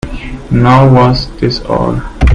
Nor was this all.